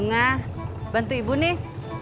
bunga bantu ibu nih